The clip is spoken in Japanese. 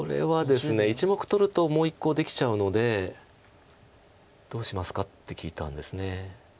１目取るともう１コウできちゃうのでどうしますかって聞いたんです。